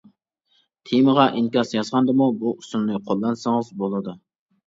تېمىغا ئىنكاس يازغاندىمۇ بۇ ئۇسۇلنى قوللانسىڭىز بولىدۇ.